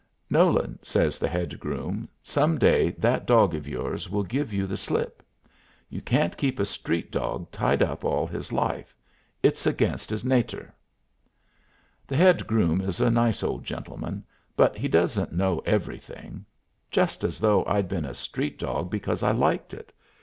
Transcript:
"Nolan," says the head groom, "some day that dog of yours will give you the slip. You can't keep a street dog tied up all his life. It's against his natur'." The head groom is a nice old gentleman, but he doesn't know everything. Just as though I'd been a street dog because I liked it!